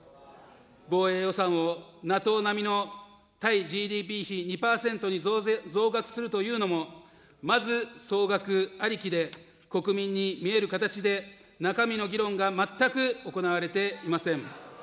防衛予算をＮＡＴＯ並みの対ＧＤＰ比２％に増額するというのも、まず総額ありきで、国民に見える形で中身の議論が全く行われていません。